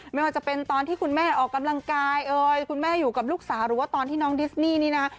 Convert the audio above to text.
ไม่ว่าจะเป็นตอนที่คุณแม่ออกกำลังกายเอ่ยคุณแม่อยู่กับลูกสาวหรือว่าตอนที่น้องดิสนี่นี่นะ